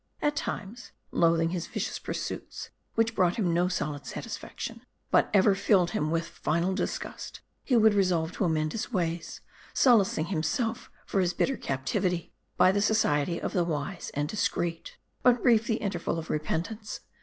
At times, loathing his vicious pursuits, which brought him no solid satisfaction, but ever filled him with final disgust, he would resolve to amend his ways ; solacing himself for his bitter captivity, by the society of the wise and discreet. 262 M A R D I. But brief the interval of repentance.